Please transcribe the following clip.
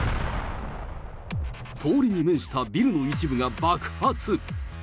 通りに面したビルの一部が爆発。